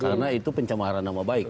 karena itu pencemaran nama baik